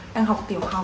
đang học tiểu học